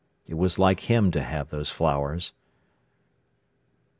It was like him to have those flowers.